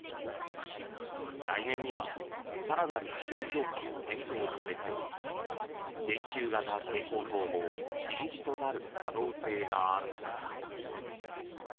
来年には更なる規制強化も検討されており電球型蛍光灯も禁止となる可能性があるという。